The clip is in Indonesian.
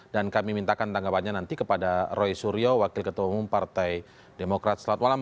dan kami mintakan tanggapannya nanti kepada roy suryo wakil ketua umum partai demokrat selat walam